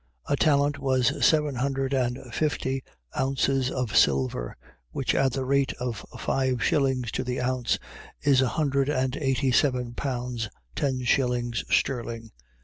. .A talent was seven hundred and fifty ounces of silver, which at the rate of five shillings to the ounce is a hundred and eighty seven pounds ten shillings sterling.